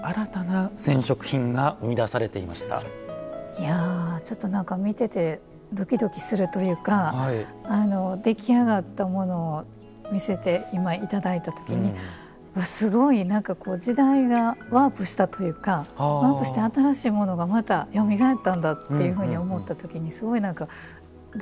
いやちょっと何か見ててドキドキするというか出来上がったものを見せて今頂いた時にすごい時代がワープしたというかワープして新しいものがまたよみがえったんだっていうふうに思った時にすごい何かドキドキしたっていうかうれしかったですね。